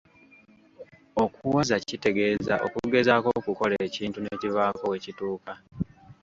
Okuwaza kitegeeza okugezaako okukola ekintu ne kibaako we kituuka.